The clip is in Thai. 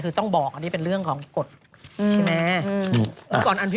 คือต้องบอกอันนี้เป็นเรื่องของกฎใช่ไหม